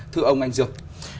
thưa ông anh dương